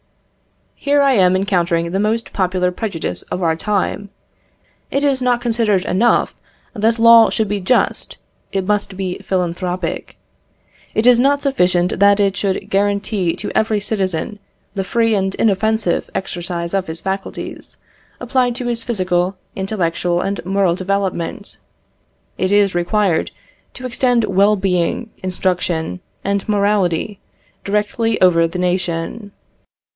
Here I am encountering the most popular prejudice of our time. It is not considered enough that law should be just, it must be philanthropic. It is not sufficient that it should guarantee to every citizen the free and inoffensive exercise of his faculties, applied to his physical, intellectual, and moral development; it is required to extend well being, instruction, and morality, directly over the nation.